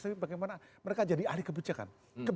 tapi bagaimana mereka jadi ahli kebijakan